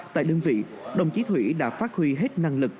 tại đơn vị đồng chí thủy đã phát huy hết năng lực